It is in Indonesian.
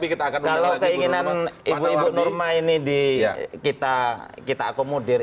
kalau keinginan ibu ibu nurma ini kita akomodir